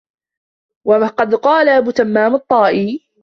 وَقَدْ قَالَ أَبُو تَمَّامٍ الطَّائِيُّ